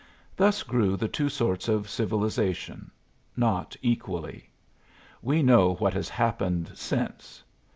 Thus grew the two sorts of civilization not equally. We know what has happened since.